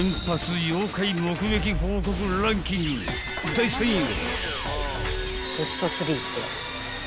［第３位は］